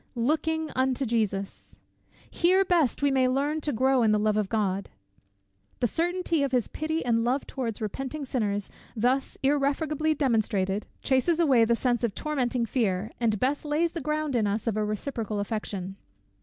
LOOKING UNTO JESUS! Here best we may learn to grow in the love of God! The certainty of his pity and love towards repenting sinners, thus irrefragably demonstrated, chases away the sense of tormenting fear, and best lays the ground in us of a reciprocal affection.